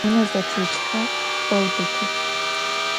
Vune zetêtxer beu detıx.